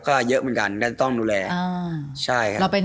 ก็เยอะเหมือนกันแล้วก็ต้องนัดแหล